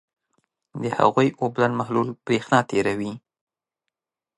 د هغوي اوبلن محلول برېښنا تیروي.